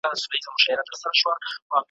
هم ښکرونه هم یې پښې پکښی لیدلې `